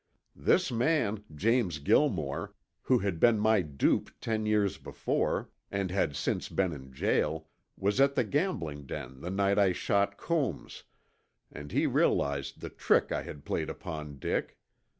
"This man, James Gilmore, who had been my dupe ten years before, and had since been in jail, was at the gambling den the night I shot Coombs, and he realized the trick I had played upon Dick.